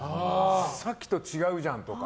さっきと違うじゃんとか。